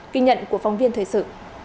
kinh nhận của phóng viên thời sự